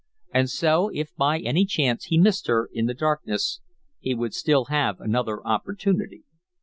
And so if by any chance he missed her in the darkness he would still have another opportunity.